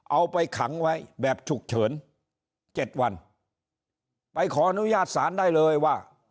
เอาไปขังไว้แบบฉุกเฉินเจ็ดวันไปขออนุญาตศาลได้เลยว่า